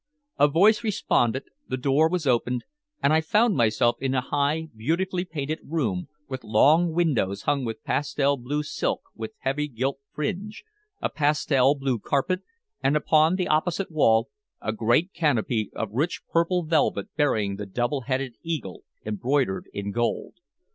A voice responded, the door was opened, and I found myself in a high, beautifully painted room, with long windows hung with pastel blue silk with heavy gilt fringe, a pastel blue carpet, and upon the opposite wall a great canopy of rich purple velvet bearing the double headed eagle embroidered in gold.